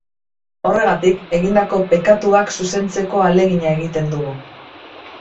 Horregatik, egindako pekatuak zuzentzeko ahalegina egiten dugu.